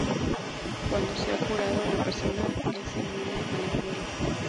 Cuando se ha curado, la persona es inmune a la viruela.